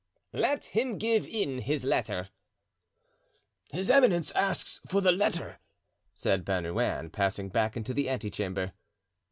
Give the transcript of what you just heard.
"Let him give in his letter." "His eminence asks for the letter," said Bernouin, passing back into the ante chamber.